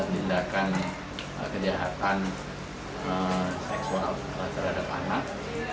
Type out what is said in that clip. tindakan kejahatan seksual terhadap anak